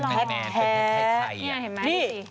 แท้แท้ไทย